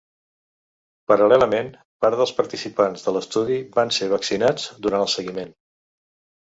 Paral·lelament, part dels participants de l’estudi van ser vaccinats durant el seguiment.